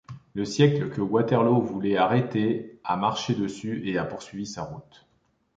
Le siècle que Waterloo voulait arrêter a marché dessus et a poursuivi sa route.